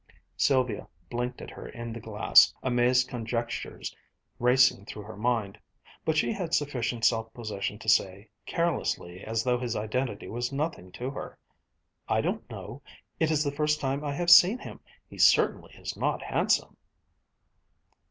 Sylvia blinked at her in the glass, amazed conjectures racing through her mind. But she had sufficient self possession to say, carelessly as though his identity was nothing to her: "I don't know. It is the first time I have seen him. He certainly is not handsome."